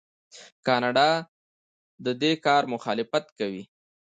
کاناډا د دې کار مخالفت کوي.